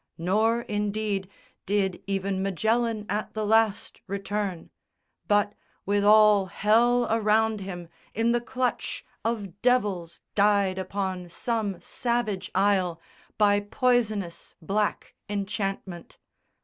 Nor indeed Did even Magellan at the last return; But, with all hell around him, in the clutch Of devils died upon some savage isle By poisonous black enchantment.